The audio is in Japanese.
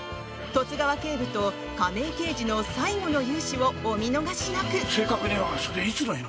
十津川警部と亀井刑事の最後の雄姿をお見逃しなく！